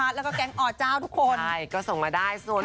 และเพื่อนก็ยางก้านไปเฝาคนนะครับ